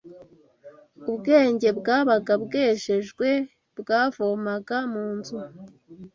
Ubwenge bwabaga bwejejwe bwavomaga mu nzu